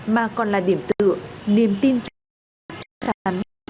mà còn là điểm tựa niềm tin chắc chắn